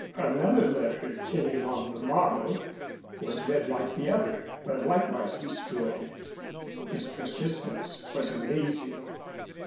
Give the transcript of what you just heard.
Another letter came on the morrow, was read like the other, but likewise destroyed. His persistence was amazing.